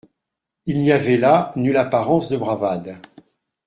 Il n'y avait là nulle apparence de bravade.